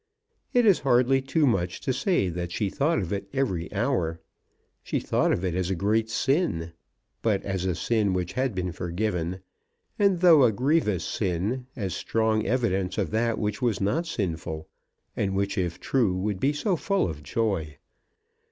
It is hardly too much to say that she thought of it every hour. She thought of it as a great sin; but as a sin which had been forgiven, and, though a grievous sin, as strong evidence of that which was not sinful, and which if true would be so full of joy.